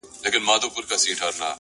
ټول عمر تكه توره شپه وي رڼا كډه كړې؛